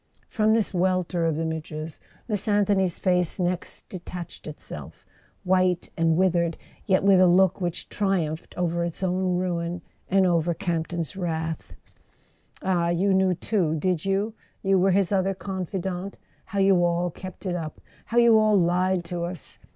From this welter of images Miss Anthony's face next detached itself: white and withered, yet with a look which triumphed over its own ruin, and over Camp ton's wrath. "Ah—you knew too, did you? You were his other confidant? How you all kept it up—how you all lied to us!"